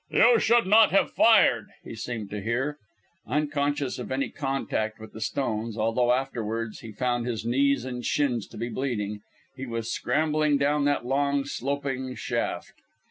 "You should not have fired!" he seemed to hear. Unconscious of any contact with the stones although afterwards he found his knees and shins to be bleeding he was scrambling down that long, sloping shaft.